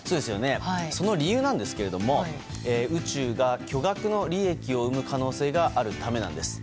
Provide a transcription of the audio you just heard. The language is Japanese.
その理由ですが宇宙が巨額の利益を生む可能性があるためなんです。